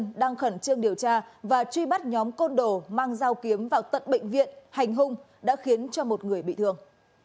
trong khẩn trương điều tra và truy bắt nhóm côn đồ mang dao kiếm vào tận bệnh viện hành hung đã khiến cho một người bị thương